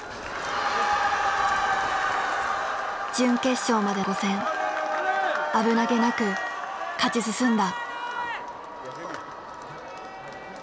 準決勝まで５戦危なげなく勝ち進んだ。